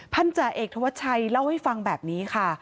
จ่าเอกธวัชชัยเล่าให้ฟังแบบนี้ค่ะ